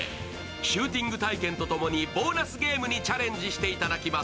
シューティング体験とともにボーナスゲームにチャレンジしていただきます。